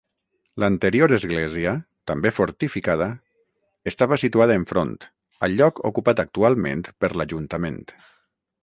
L'anterior església, també fortificada, estava situada enfront, al lloc ocupat actualment per l'Ajuntament.